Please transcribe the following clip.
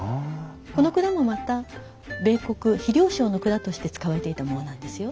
この蔵もまた米穀肥料商の蔵として使われていたものなんですよ。